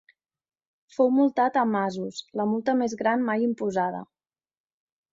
Fou multat amb asos, la multa més gran mai imposada.